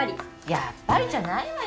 やっぱりじゃないわよ